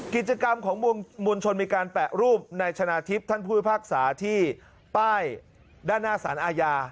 กิจกรรมของมวลชนมีการแปะรูปในชนะทิพย์ท่านผู้พิพากษาที่ป้ายด้านหน้าสารอาญา